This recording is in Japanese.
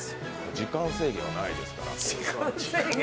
時間制限はないですから。